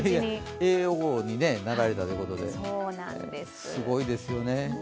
叡王になられたということで、すごいですよね。